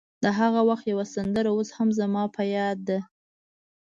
د هغه وخت یوه سندره اوس هم زما په یاد ده.